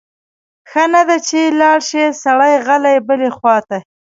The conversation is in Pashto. ښه نه ده چې لاړ شی سړی غلی بلې خواته؟